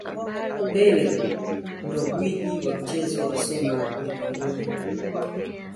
pele ndo gwiji wa mchezo wa soka ulimwenguni